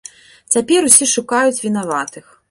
Цяпер усе шукаюць вінаватых.